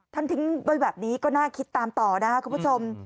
ทิ้งไว้แบบนี้ก็น่าคิดตามต่อนะครับคุณผู้ชม